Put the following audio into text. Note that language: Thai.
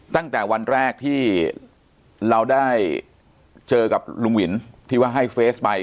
ตั้งแต่วันแรกที่เราได้เจอกับลุงวินที่ว่าให้เฟสไป